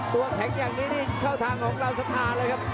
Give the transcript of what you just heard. ตัวแข็งอย่างนี้นี่เข้าทางของเราสนานเลยครับ